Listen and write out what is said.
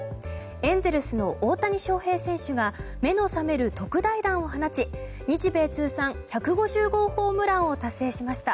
エンゼルスの大谷翔平選手が目の覚める特大弾を放ち日米通算１５０号ホームランを達成しました。